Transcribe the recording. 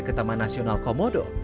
ke taman nasional komodo